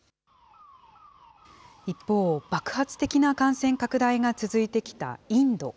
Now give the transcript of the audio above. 一方、爆発的な感染拡大が続いてきたインド。